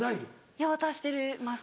いや渡してます。